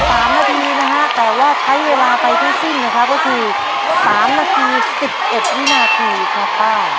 เวลา๓นาทีนี้นะฮะแต่ว่าใช้เวลาไปที่สิ้นนะครับก็คือ๓นาที๑๑นาทีครับป้า